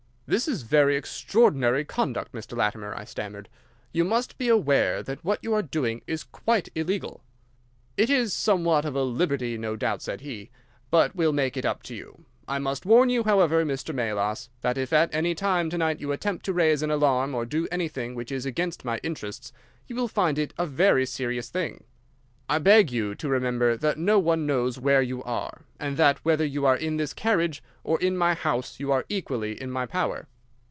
"'This is very extraordinary conduct, Mr. Latimer,' I stammered. 'You must be aware that what you are doing is quite illegal.' "'It is somewhat of a liberty, no doubt,' said he, 'but we'll make it up to you. I must warn you, however, Mr. Melas, that if at any time to night you attempt to raise an alarm or do anything which is against my interests, you will find it a very serious thing. I beg you to remember that no one knows where you are, and that, whether you are in this carriage or in my house, you are equally in my power.